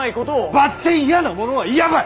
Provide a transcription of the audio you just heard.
ばってん嫌なものは嫌ばい！